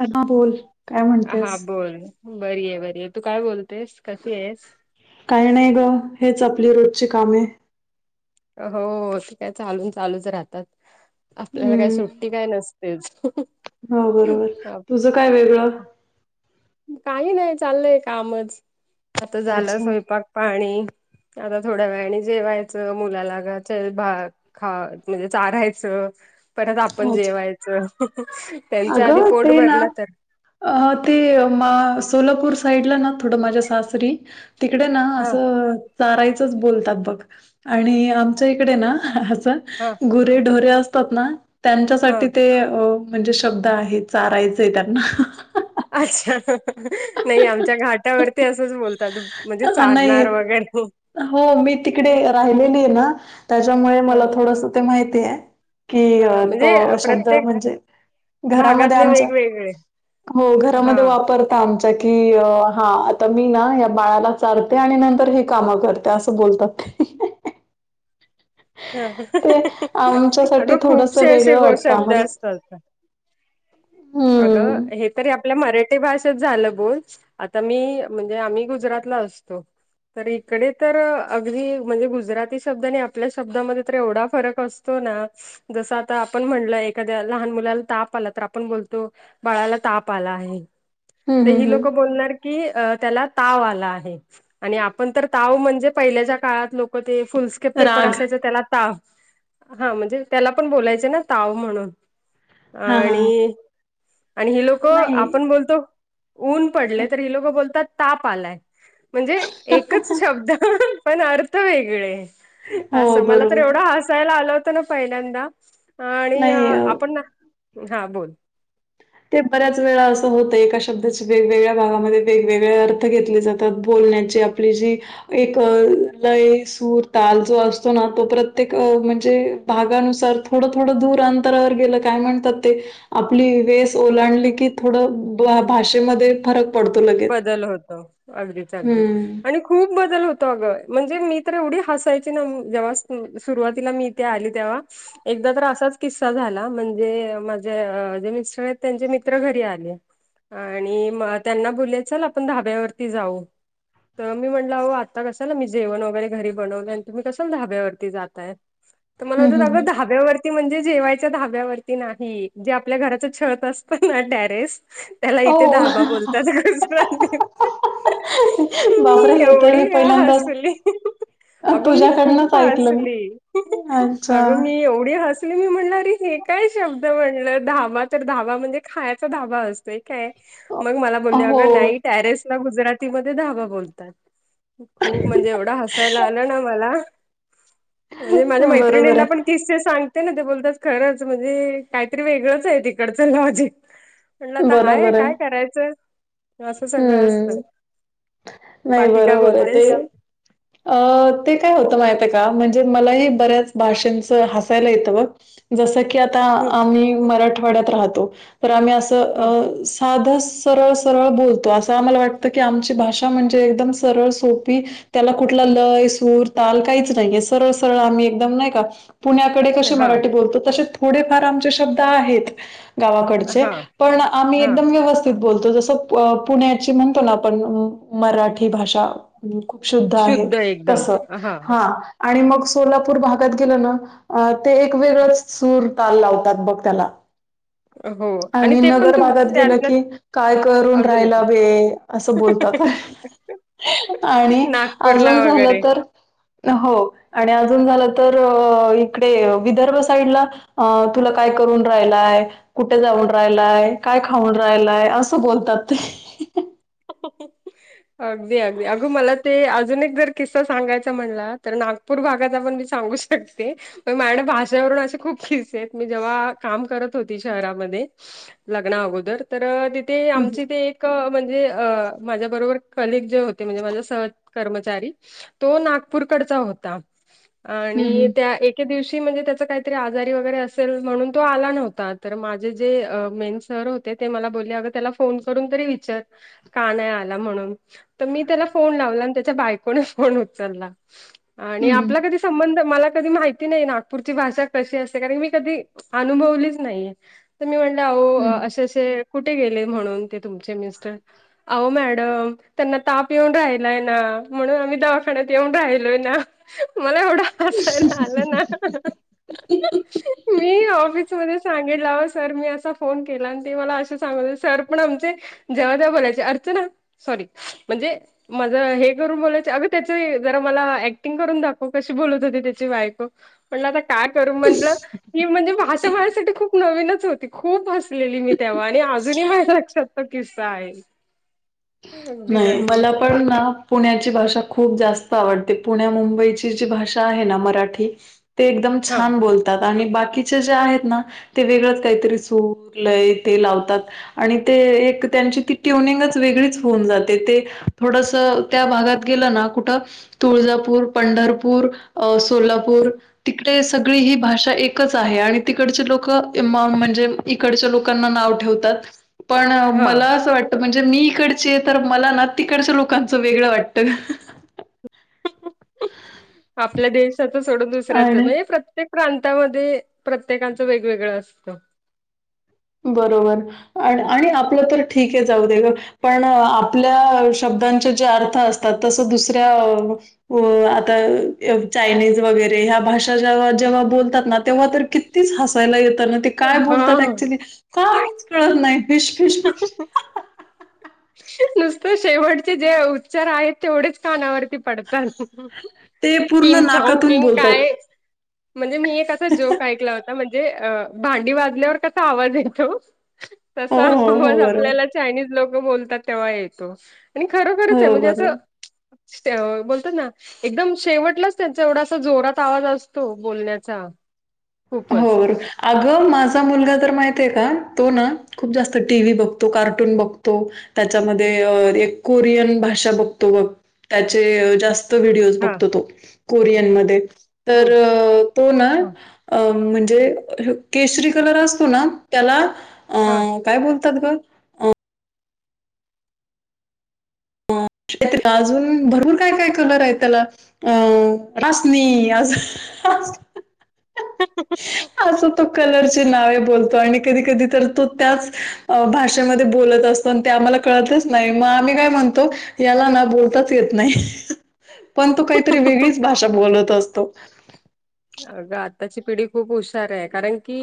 Hello बोल काय म्हणतेस. हा बोल बरी आहे बरी आहे तू काय बोलतेस कशी आहेस. काही नाही ग हेच आपली रोजची कामे. हो ते काय चालून चालूच राहतात आपल्याला काय हम्म सुट्टी काय नस तेच. हो बरोबर तुझं काय वेगळं? काही नाही चाललंय कामच आता झालं अच्छा स्वयंपाक पाणी. आता थोड्या वेळाने जेवायचं मुलाला गा भाग खात म्हणजे चारायचं परत आपण अच्छा जेवायचं. त्यांच आधी अगं पोट ते ना भरलं तर. अ. ते सोलापूर साईडला ना? थोडं माझ्या सासरी- तिकडे ना हा असं- चारायचच बोलतात बघ. आणि आमच्या इकडे ना असं- हा. गुरे ढोरे असतात ना हा त्यांच्यासाठी ते- म्हणजे शब्द आहे चारायचय त्यांना. अच्छा. नाही आमच्या घाटावरती असंच बोलतात. त म्हणजे नाही चारणार वगैरे. हो. मी तिकडे राहिलेली आहे ना, त्याच्यामुळे ह मला थोडस- ते माहितीय. की ह म्हणजे तो शब्द प्रत्येक म्हणजे- घरामध्ये भागातले आमच्या. वेगवेगळे हो हा घरामध्ये वापर- आमच्या की. हा. आता मी ना या बाळाला- चारतो आणि नंतर हे काम करतो. असं बोलतात. ह तो. आमच्यासाठी अगं थोडस खूपसे असे वेगळं गो वाटतं शब्द आम्हाला. अग! हम्म हे- तरी आपल्या मराठी भाषेत झालं बोल. आता मी म्हणजे आम्ही गुजरातला असतोय. तर इकडे तर, अगदी म्हणजे गुजराती शब्द आणि आपल्या शब्दामध्ये तर एवढा फरक असतो- ना, जस आता आपण म्हणलं एखाद्या लहान मुलाला ताप आला. तर आपण बोलतो- तो बाळाला ताप आला आहे. हम्म तर हम्म ही लोक हम्म बोलणार- कि त्याला ताव आला आहे. आणि आपण तर ताव म्हणजे- पहिल्याच्या काळात लोक ते फुलस्केप पेपर राग असायच त्याला ताव - हा. म्हणजे त्याला पण बोलायचे ना ताव म्हणून हा हा हा. आणि- आणि हि लोक, नाही. आपण बोलतो ऊन पडलय तर हि लोकं बोलतात ताप आलाय. म्हणजे एकच शब्द पण अर्थ वेगळे. हो असं. मला तर बरोबर आहे एवढं हसायला आलं होतं ना पहिल्यांदा. आणि नाही अ, आपण, हा बोल. ते बऱ्याच वेळेला असं होतं. एका शब्दाचे वेगवेगळ्या गावामध्ये वेगवेगळे अर्थ घेतले जात- बोलण्याची आपली जी- एक लय, सूर, ताल जो असतो ना? तो प्रत्येक म्हणजे- भागानुसार थोडं थोडं दूर अंतरावर गेलं, काय म्हणतात ते? आपली वेस - ओलांडली की थोडं भाषेमध्ये फरक पडतो लगेच. बदल होतो. अगदीच अगदीच. हं. आणि खूप बदल होतो अगं! म्हणजे मी तर एवढी हसायची ना? जेव्हा सुरुवातीला मी- इथे आली तेव्हा. एकदा तर असाच किस्सा झाला. म्हणजे माझे जे मिस्टर आहेत त्यांचे मित्र घरी आले. आणि म त्यांना बोलले. चल आपण धाब्यावरती जाऊ. तर मी म्हणलं, अहो आता कशाला? मी जेवण वगैरे घरी बनवलय आणि तुम्ही कशाला धाब्यावरती जाताय? [unintelligible] तर मला [unintelligible] हं. धाब्यावर - म्हणजे जेवायच्या धाब्यावरती नाही. जे आपल्या घराचं छत असत ना टॅरेस- त्याला इथे ओ. धाबा बोलतात. बापरे! मी हे तर एवढी मी पहिल्यांदाच हसले. अ, अगं मी खूप तुझ्याकडनंच ऐकलं मी. हसली. अच्छा. अगं मी- एवढी हसली. मी म्हणलं अरे हे काय शब्द म्हणलं? धाबा तर धाबा म्हणजे खायचा धाबा असत- काय? मग मला अ, बोलले. अगं हो. नाही टॅरेसला गुजरातीमध्ये धाबा बोलतात. खूप म्हणजे एवढ हसायला आल बरोबर ना मला? म्हणजे माझ्या मैत्रिणींना आहे पण- किस्से सांगते ना? ते बोलतात खरंच म्हणजे काहीतरी वेगळंच आहे तिकडचं लॉजिक. म्हणलं आता हाय. बरोबर आहे काय करायचं? असं सगळं असत. हम्म नाही बरोबर आहे. ते- अ. ते काय होतं माहितेय का? म्हणजे मलाही बऱ्याच भाषांच हसायला येतं. ब- जसं की आता हम्म आम्ही मराठवाड्यात राहतो तर आम्ही असं हा अ साधं सरळ सरळ बोलतो असं आम्हाला वाटतं की आमची भाषा म्हणजे एकदम सरळ सोपी त्याला कुठला लय सूर ताल काहीच नाहीय सरळ-सरळ आम्ही एकदम नाही का पुण्याकडे कशे हा मराठी बोलतो तसे थोडेफार आमचे शब्द आहेत. गावाकडचे हा पण आम्ही हा एकदम व्यवस्थित बोलतो जसं पुण्याची म्हणतो ना आपण उ मराठी भाषा खूप शुद्ध आहे तसं हा. आणि मग सोलापूर भागात गेलं ना आ ते एक वेगळंच सूर ताल लावतात बघ त्याला. हो आणि ते पण नगर तू भागात गेलं त्यातलं की काय करून राहायला अजूनच वे असं बोलतात आणि नागपूरला अजून वगैरे झालं तर हो आणि अजून झालं तर इकडे विदर्भ साईडला आ तुला काय करून राहिलाय कुठे जाऊन राहिलाय काय खाऊन राहिलाय असं बोलतात ते. अगदी अगदी. अग, मला ते अजून एक जर किस्सा सांगायचा म्हणला तर, नागू- पूर भागाचा पण मी सांगू शकते. तर माणं भाषेवरून असे खूप खिस्से आहेत मी जेव्हा काम करत होती शहरामध्ये लग्ना अगोदर तर तिथे हं, हं. आमची ते एक म्हणजे अ माझ्या बरोबर कलिग जे होते म्हणजे माझ्या सह कर्मचारी तो नागपूरकडचा होता हं, आणि हं. त्या एक के दिवशी म्हणजे त्याचा काहीतरी आजारी वगैरे असेल म्हणून तो आला नव्हता तर माझे जे अ मेन सर हो ते त्या मला बोलले अगं फोन करून तरी विचार का नाही आला म्हणून तर मी त्याला फोन लावला आणि त्याच्या बायकोने फोन उचलला आणि हं, आपला कधी संबंध मला कधी माहिती नाही नागपूरची भाषा कशी असते कारण मी कधी अनुभवलीच नाहीये. तर मी म्हटलं ओ हं. अशे अशे कुठे गेले म्हणून ते तुमचे मिस्टर अहो मॅडम त्यांना ताप येऊन राहिलाय ना म्हणून आम्ही दवाखान्यात येऊन राहिलोय ना. मला एवढं हसायला आलं ना. [inaudible] मी ऑफिसमध्ये सांगितला हो सर मी असा फोन केला आणि ते मला असे सांगले सर पण आमचे जेव्हा तेव्हा बोलायचे अर्चना सॉरी म्हणजे माझं हे करून बोलायचे अगं त्याचे जरा मला ऍक्टिंग करून दाखव कशी बोलत होती त्याची बायको म्हणला आता काय करू म्हटलं की म्हणजे भाषा माझ्यासाठी खूप नवीनच होती खूप हस लेली मी तेव्हा आणि अजूनही माझा लक्षात तो किस्सा आहे. अगदीच नाही अगदी मला पण ना पुण्याची भाषा खूप जास्त आवडते पुण्या मुंबईची जी भाषा आहे ना मराठी ते एकदम हा छान बोल तात आणि बाकीचे जे आहेत ना ते वेगळंच काहीतरी सूर लय ते लावतात. आणि ते एक त्यांची ती ट्युनिंगच वेगळीच होऊन जाते ते थोडसा त्या भागात गेलं ना कुठं तुळजापूर, पंढरपूर अ सोलापूर तिकडे सगळी ही भाषा एकच आहे आणि तिकडचे लोकं म म्हणजे इकडच्या लोकांना नाव ठेवतात पण हा मला असं वाटतं म्हणजे मी इकडची आहे तर मला ना तिकडच्या लोकांचं वेगळं वाटतं. आपल्या देशाचा सोडं दुसऱ्यांचं आणि बाई प्रत्येक प्रांतामध्ये प्रत्येकांचं वेगवेगळं असतं बरोबर आ आणि आपलं तर ठीक आहे जाऊ दे गं पण आपल्या शब्दांचे जे अर्थ असतात तसं दुसऱ्या ओ आता य चायनीज वगैरे ह्या भाषा जेव्हा जेव्हा बोलतात ना तेव्हा तर कि तीच हसायला येता ना ते काय बोलतात हा ऍक्च्युली काहीच कळत नाही फिश फिश नुसतं शेवटचे जे उच्चार आहेत तेवढेच कानावरती पडतं ते किम पूर्ण छाऊ नाकातून किम बोलतात. काय म्हणजे मी एक असा जोक ऐकला होता म्हण म्ह भांडी वाजल्यावर कसा आवाज येतो हो, तसा हो, आवा हो, बरोबर. आपल्याला चायनीज लोक बोलतात तेव्हा येतो आणि खरोखरच हो, आहे म्हणजे बरोबर. असं बोलतात ना एकदम शेवटलाच त्यांचा एवढा अस जोरात आवाज असतो बोलण्याचा हो खूपच. अगं माझा मुलगा तर माहती आहे का तो ना खूप जास्त टी व्ही बघतो कार्टून बघतो त्याच्यामध्ये एक कोरियन भाषा बघतो ग त्याचे जास्त व्हिडिओज हा बघतो तो कोरियन म तर हम्म तो ना हा. अ म्हणजे केसरी कलर असतो ना त्याला अ, हा काय बोलतात ग शेतला अजून भरपूर काय काय कलर आहे त्याला अं रशनी आज असं तो कलरची नावे बोलतो आणि कधी कधी तर तो त्याच भाषेमध्ये बोलत असतो ते आम्हाला कळतच नाही मग आम्ही काय म्हणतो याला ना बोलताच येत नाही पण तू काहीतरी हा. वेगळीच भाषा बोलत असतो अगं आताची पिढी खूप हुशार आहे कारण की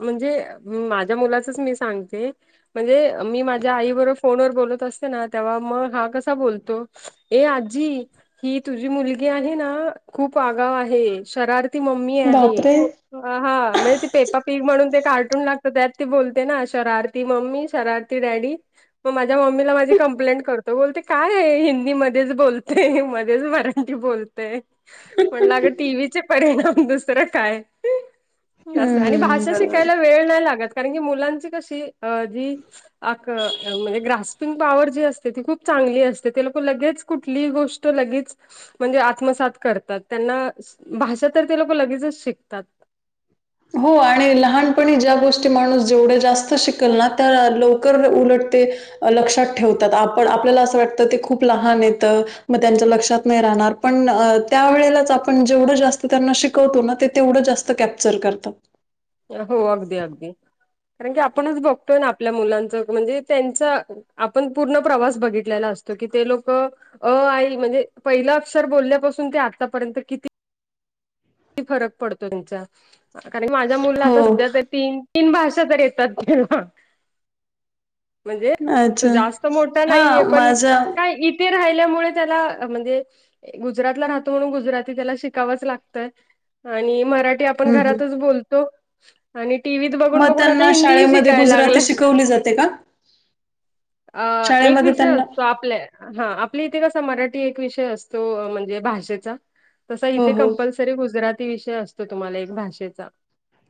म्हणजे ह माझ्या मुलाचच मी सांगते म्हणजे मी माझ्या आई बरोबर फोनवर बोलत असते ना तेव्हा मग हा कसा बोलतो ए आजी ही तुझी मुलगी आहे ना खूप आगाव आहे शर ती ममी आहे हे बापरे हा म्हणजे ती पेपा पीक म्हणून ते कार्टून लागत त्यात ती बोलते ना शरारती मम्मी शरारती मझ्या म्ला क् कर त बोलते काय हिंदी मध्येच बोलते मध्येच मराठी बोलते म्हटलं अग टीव्हीचे परिणाम दुसरं काय असं आणि हम्म भाषा बरोबर शिकायला वेळ नाही लागत कारण की मुलांची कशी अ जी अ म्हणजे ग्रास्पिंग पॉवर जी असते ती खूप चांगली असते ते लोक लगेच कुठली गोष्ट लगेच म्हणजे आत्मसात करतात त्यां भाषा तर ते लोक लगेचच शिकतात हो आणि लहानपणी ज्या गोष्टी माणूस जेवढ्या जास्त शिकल ना त्या लवकर उलटते लक्षात ठेवतात आपण आपल्याला असं वाटतं ते खूप लहान येतं मग त्यांच्या लक्षात नाही राहणार पण त्यावेेळेलाच आपण जेवढं जास्त त्यांना शिकवतो ना ते तेवढं जास्त कॅप्चर करतो हो अगदी अगदी कारण की आपणच बघतोय ना आपल्या मुलांच म्हणजे त्यांच आपण पूर्ण प्रवास बघितलेला असतो की ते लोक अ आई म्हणजे पहिलं अक्षर बोलल्यापासून ते आतापर्यंत किती फरक पडतो त्यांचा कारण की माझ्या मु हो, आता सध्या तीन तीन भाषा तर येतात म्हणजे तो अच्छा. जास्त मोठा नाहीये हां, पण माझा काय ते राहिल्यामुळे त्याला म्हणजे गुजरातला राहतो म्हणून गुजराती त्याला शिकावंच लागतं आणि मराठी आपण हं, हं. घरातच बोलतो आणि टीव्हीत बघून मग बघून आता त्यांना हिंदी शाळेमध्ये शिकायला गुजराती लागलं शिकवली जाते का? अ एक शाळेमध्ये विषय त्यांना असतो आपल्या हा आपल्या इथे कसा मराठी एक विषय असतो म्हणजे भाषेचा तसा हो, इथे क हो. गुजराती विषय असतो तुम्हाला एक भाषेचा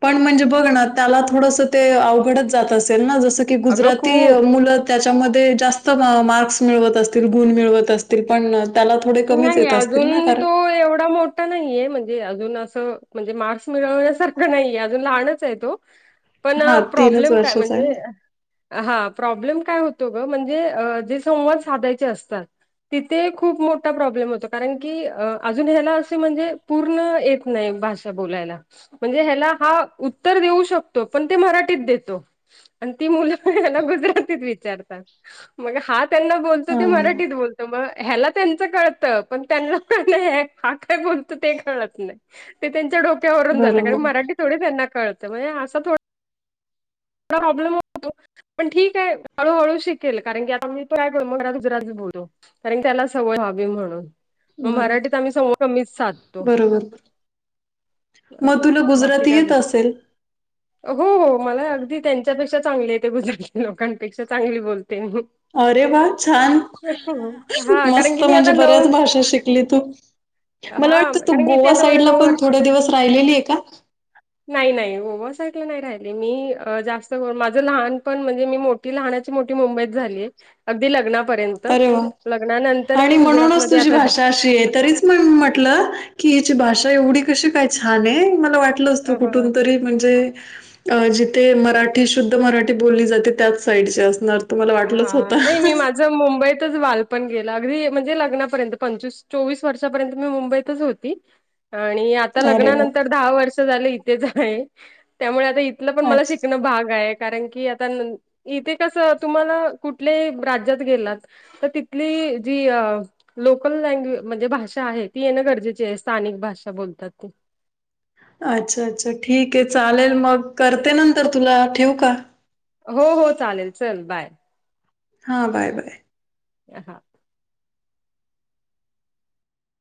पण म्हणजे बघ ना त्याला थोडंसं ते अवघडत जात असेल ना जसं की अगं गुजराती खूप मुलं त्याच्यामध्ये जास्त मार्क्स मिळवत असतील गुण मिळवत असतील पण त्याला थोडे कमीच नाही येत असतील ना अजून कारण तो एवढा मोठ नाहीये म्हणजे अजून असं म्हणजे मार्क्स मिळवण्यासारखं नाही अजून लहानच आहे तो पण हा तीनच प्रॉब्लेम काय वर्षाचा आहे म्हणजे हा प्रॉब्लेम काय होतो ग म्हणजे जे संवाद साधायचे असतात. तिथे खूप मोठ प्रॉब्लेम होतो कारण की अजून ह्याला असे म्हणजे पूर्ण येत नाही भाषा बोलायला. म्हणजे ह्याला हा उत्तर देऊ शकतो पण ते मराठीत देतो. आणि ती मुलं पण त्यांना गुजरातीत विचारतात मग हा त्यांना बलतो हा ते मराठीत बलतो म ह्याला त्यांचं कळतं पण त्यांना हा काय बोलतो ते त्यांना कळत नाही. वरुन जात कारण बरोबर मराठी थोडीच ह्याना कळत म्हणजे अस प्रॉब्लेम होतो. पण ठीक आहे हळूहळू शिकेल कारण की आता मी तो काय कर मग गुजराती बोलोतो. कारण त्याला सवय व्हावी म्हणून. मग बरोबर मराठीत आम्ही संवाद कमीच साधतो. म असं आहे. तुला बाकी गुजराती काय येत बोल असेल. हो हो मला अगदी त्यांच्यापेक्षा चांगली येते गुजराती लोकांपेक्षा चांगली बोलते मी. अरे वा छान हा कारण की मस्त मी म्हणजे आता बऱ्याच नऊ भाषा शिकली तू. मला हा वाटतं तू कारण की इथे गोवा आता मला साईडला नऊ पण वर्ष थोडे दिवस राहिलेली आहे का. नाही नाही गोवा साइडला नाही राहिली मी जास्त माझं लहान पण म्हणजे मी मोठी लहानाची मोठी मुंबईत झाली अगदी लग्ना पर्यंत अरे वा लग्नानंतर आणि मी गुजरात म्हणूनच मध्ये तुझी आता भाषा तरीच म्हटले की हिची भाषा एवढी कशी काय छान आहे. वाटलंच‌ तू हा कुठून तरी म्हणजे अ जिथे मराठी शुद्ध मराठी बोलली जाते त्याच साईडचे असणार. मला वाटलंच हा होत. नाही मी माझं मुंबईतच बालपण गेलं अगदी म्हणजे लग्नापर्यंत पंचवीस चोवीस वर्षापर्यंत मी मुंबईतच होती. आणि आता अरे वा! लग्नानंतर दहा वर्ष झालं इथेच आहे त्यामुळे आता पण मला अच्छा. शिकण भाग आहे कारण की आता इथे कसं तुम्हाला कुठल्याही राज्यात गेलात तर तिथली जी अ लोकल लँग्वेज म्हणजे भाषा आहे ती येणं गरजेची आहे स्थानिक भाषा बोलतात ती. अच्छा अच्छा ठीक आहे चालेल मग करते नंतर तुला ठेव का. हो हो चालेल चल बाय. हा बाय बाय. [unintelligible]